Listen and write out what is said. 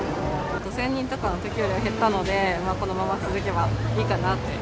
５０００人とかのときよりは減ったので、このまま続けばいいかなって。